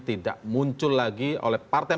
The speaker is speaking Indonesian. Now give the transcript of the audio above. tidak muncul lagi oleh partai